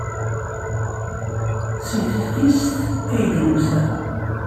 Seg teftist ay d-nusa.